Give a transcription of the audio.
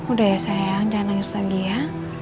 udah ya sayang jangan nangis lagi ya